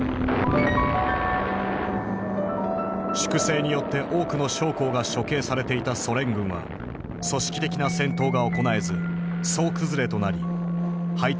粛清によって多くの将校が処刑されていたソ連軍は組織的な戦闘が行えず総崩れとなり敗退を繰り返した。